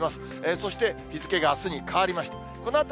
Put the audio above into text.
そして、日付があすに変わりました。